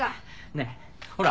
ねえほら。